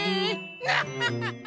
ワッハハハ。